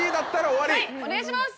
はいお願いします！